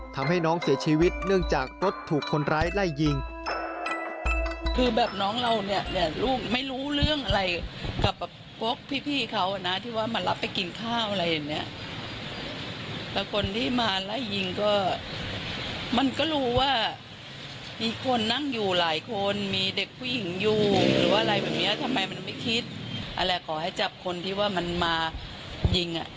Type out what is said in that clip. ทำให้น้องเสียชีวิตเนื่องจากรถถูกคนร้ายไล่ยิง